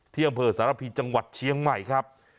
เที่ยงบริเวณสระพีจังหวัดเชียงใหม่ครับ